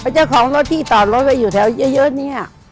เจ้าของรถที่ต่อรถไปอยู่แถวเยอะนี้